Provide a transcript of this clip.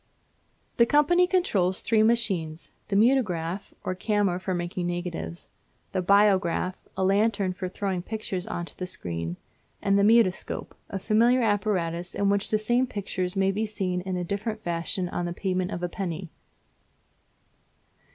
The company controls three machines, the Mutograph, or camera for making negatives; the Biograph, or lantern for throwing pictures on to the screen; and the Mutoscope, a familiar apparatus in which the same pictures may be seen in a different fashion on the payment of a penny.